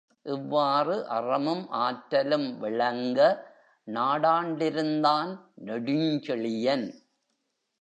இவ்வாறு அறமும் ஆற்றலும் விளங்க நாடாண் டிருந்தான் நெடுஞ்செழியன்.